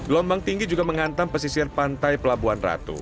gelombang tinggi juga menghantam pesisir pantai pelabuhan ratu